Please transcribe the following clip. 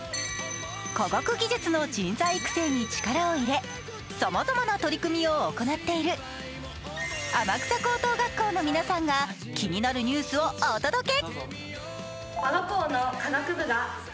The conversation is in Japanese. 科学技術の人材育成に力を入れさまざまな取り組みを行っている天草高等学校の皆さんが気になるニュースをお届け。